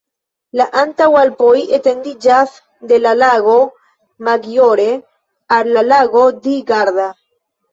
La Antaŭalpoj etendiĝas de la Lago Maggiore al la Lago di Garda.